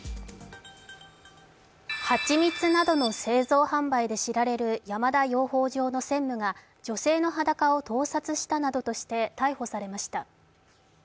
蜂蜜などの製造販売で知られる山田養蜂場の専務が女性の裸を盗撮したなどとして逮捕されました